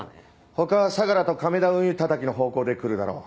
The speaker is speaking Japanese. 他は相良と亀田運輸叩きの方向で来るだろう。